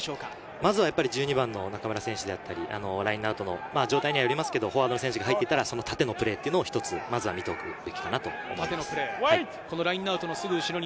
まずは１２番の中村選手だったり、ラインアウトの状態にありますが、フォワードの選手がいたら縦のプレーというのが一つ、まずは見ておくべきだったと思います。